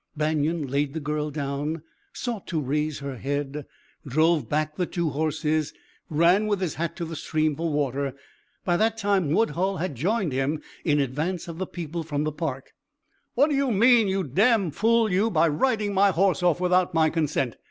Banion laid the girl down, sought to raise her head, drove back the two horses, ran with his hat to the stream for water. By that time Woodhull had joined him, in advance of the people from the park. "What do you mean, you damned fool, you, by riding my horse off without my consent!"